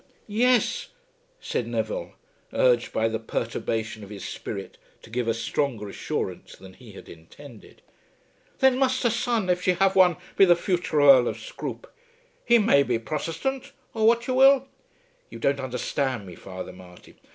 "Yes," said Neville, urged by the perturbation of his spirit to give a stronger assurance than he had intended. "Then must her son if she have one be the future Earl of Scroope. He may be Protesthant, or what you will?" "You don't understand me, Father Marty."